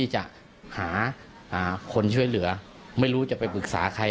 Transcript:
จะหาคนช่วยเหลือไม่รู้จะไปปรึกษาใคร